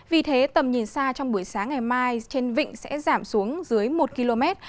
vì thế tầm nhìn xa trong buổi sáng ngày mai trên vịnh sẽ giảm xuống dưới một km